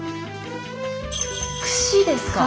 くしですか！